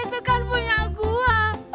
itu kan punya gua